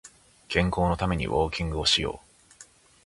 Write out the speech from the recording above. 健康のためにウォーキングをしよう